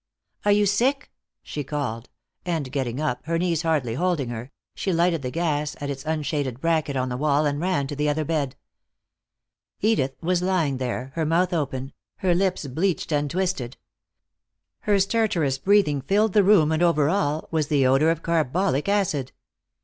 "Are you sick?" she called, and getting up, her knees hardly holding her, she lighted the gas at its unshaded bracket on the wall and ran to the other bed. Edith was lying there, her mouth open, her lips bleached and twisted. Her stertorous breathing filled the room, and over all was the odor of carbolic acid.